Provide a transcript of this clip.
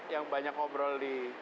yang banyak ngobrol di